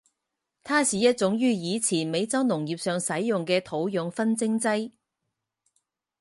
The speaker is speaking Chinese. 它是一种于以前美洲农业上使用的土壤熏蒸剂。